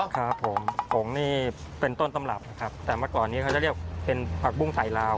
ครับผมกงนี่เป็นต้นตำรับนะครับแต่เมื่อก่อนนี้เขาจะเรียกเป็นผักบุ้งใส่ลาว